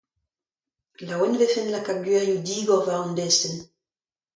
Laouen e vefen lakaat gwirioù digor war an destenn.